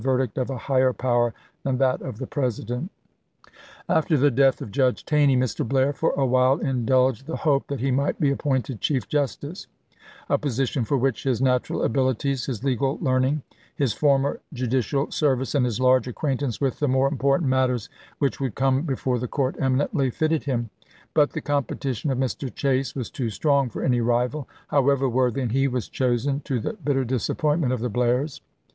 verdict of a higher power than that of the President." After the death of Judge Taney, Mr. Blair for a while indulged the hope that he might be ap pointed Chief Justice, a position for which his natural abilities, his legal learning, his former judi cial service, and his large acquaintance with the more important matters which would come before the court eminently fitted him; but the compe tition of Mr. Chase was too strong for any rival, however worthy, and he was chosen, to the bitter disappointment of the Blairs.